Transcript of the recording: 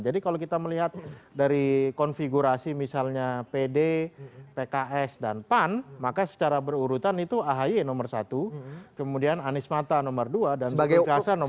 jadi kalau kita melihat dari konfigurasi misalnya pd pks dan pan maka secara berurutan itu ahi nomor satu kemudian anies mata nomor dua dan zulkifli hasan nomor tiga